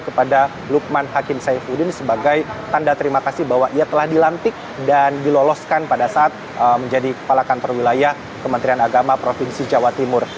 kepada lukman hakim saifuddin sebagai tanda terima kasih bahwa ia telah dilantik dan diloloskan pada saat menjadi kepala kantor wilayah kementerian agama provinsi jawa timur